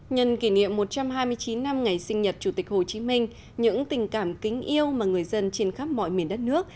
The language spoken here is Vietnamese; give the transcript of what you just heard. nhân kỷ niệm một trăm hai mươi chín năm ngày sinh nhật chủ tịch hồ chí minh những tình cảm kính yêu mà người dân trên khắp mọi miền đất nước